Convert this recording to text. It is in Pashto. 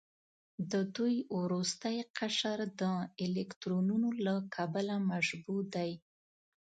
د دوی وروستی قشر د الکترونونو له کبله مشبوع دی.